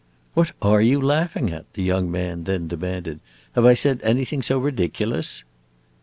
"What are you laughing at?" the young man then demanded. "Have I said anything so ridiculous?"